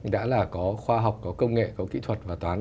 đã là có khoa học có công nghệ có kỹ thuật và toán